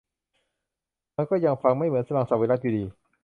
มันก็ยังฟังไม่เหมือนมังสวิรัติอยู่ดี